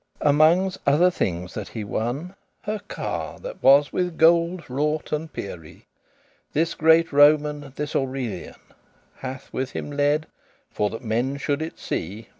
Amonges other thinges that he wan, Her car, that was with gold wrought and pierrie,* *jewels This greate Roman, this Aurelian Hath with him led, for that men should it see.